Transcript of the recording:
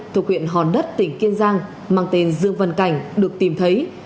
thuộc huyện hòn đất tỉnh kiên giang mang tên dương văn cảnh được tìm thấy